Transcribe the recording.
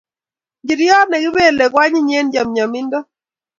Njiriot ne kipelei ko anyiny eng chamchamindo